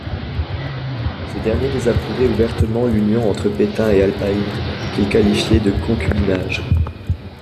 Ce dernier désapprouvait ouvertement l'union entre Pépin et Alpaïde, qu'il qualifiait de concubinage.